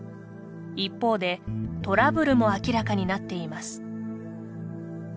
一方で、トラブルも明らかになっています。